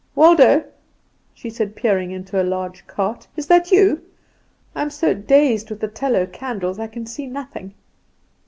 "Waldo," she said, peering into a large cart, "is that you? I am so dazed with the tallow candles, I see nothing."